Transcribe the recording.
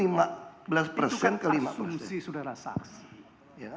itu kan asumsi sudara saksi